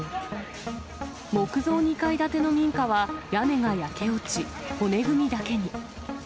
木造２階建ての民家は屋根が焼け落ち、骨組みだけに。